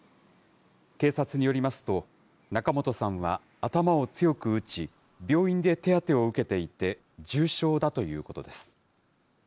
警察によりますと、仲本さんは頭を強く打ち、病院で手当てを受けていて、重傷だということです。